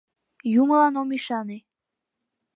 ЮМЫЛАН ОМ ӰШАНЕ